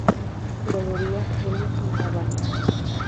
Galería L, La Habana.